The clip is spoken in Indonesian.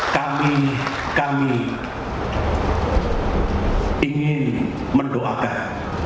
kami kami ingin mendoakan